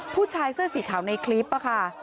ผู้ชายเสื้อสีขาวในคลิปค่ะ